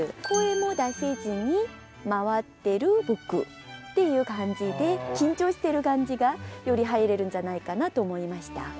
「声も出せずに回ってる僕」っていう感じで緊張してる感じがより入れるんじゃないかなと思いました。